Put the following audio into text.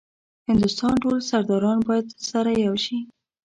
هندوستان ټول سرداران باید سره یو شي.